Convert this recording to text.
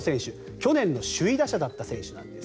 去年の首位打者だった選手なんです。